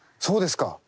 そうですか！